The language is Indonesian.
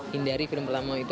hindari film pertama itu